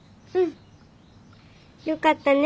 よかったね